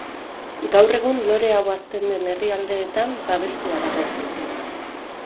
Gaur egun lore hau hazten den herrialdeetan babestua dago.